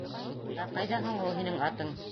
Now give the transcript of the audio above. — Ә ҡайҙа һуң ул һинең атың?